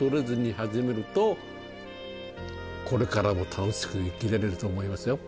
これからも楽しく生きれると思いますよ。